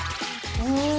うん。